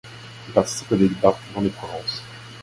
Il participe au débarquement de Provence.